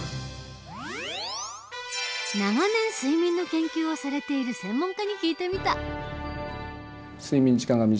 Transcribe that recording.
長年睡眠の研究をされている専門家に聞いてみた。